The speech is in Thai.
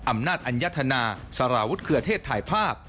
อำนาจอัญญธนาสารวุฒิเครือเทศถ่ายภาพ